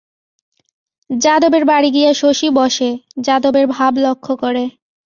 যাদবের বাড়ি গিয়া শশী বসে, যাদবের ভাব লক্ষ করে।